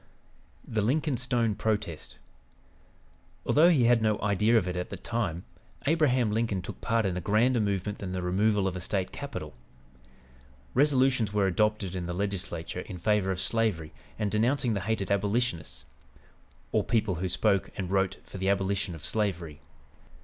THE LINCOLN STONE PROTEST Although he had no idea of it at the time, Abraham Lincoln took part in a grander movement than the removal of a State capital. Resolutions were adopted in the Legislature in favor of slavery and denouncing the hated "abolitionists" or people who spoke and wrote for the abolition of slavery.